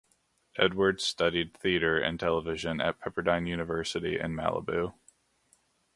Edwards studied theatre and television at Pepperdine University in Malibu.